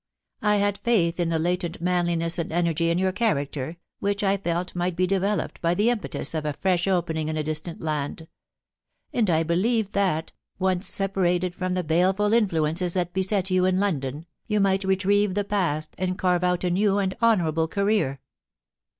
I had faith in the latent manli ness and energy in your character, which I felt might be developed by the impetus of a fresh opening in a distant land ; and I believed that, once separated from the baleful influences that beset you in London, you might retrieve the past and carve out a new and honourable career.